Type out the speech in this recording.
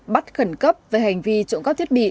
bắt khẩn cấp về hành vi trộm các thiết bị